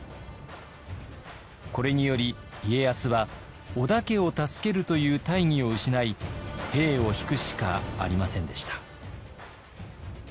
これにより家康は織田家を助けるという大義を失い兵を引くしかありませんでした。